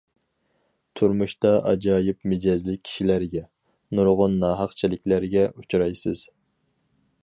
تۇرمۇشتا ئاجايىپ مىجەزلىك كىشىلەرگە، نۇرغۇن ناھەقچىلىكلەرگە ئۇچرايسىز.